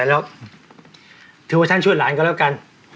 อย่าลืมเอาไปไหนไปหรอ